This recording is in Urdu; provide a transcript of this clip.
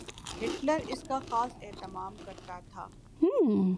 ہٹلر اس کا خاص اہتمام کرتا تھا۔